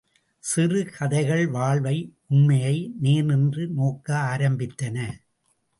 சிறுகதைகள் வாழ்வை, உண்மையை நேர் நின்று நோக்க ஆரம்பித்தன.